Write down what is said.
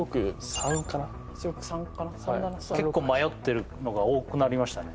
３だな結構迷ってるのが多くなりましたね